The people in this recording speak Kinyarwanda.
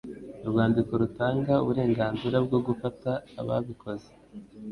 Urwandiko rutanga uburenganzira bwo gufata ababikoze